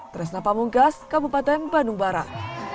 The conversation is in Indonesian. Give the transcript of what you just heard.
tresna pamungkas kabupaten bandung barat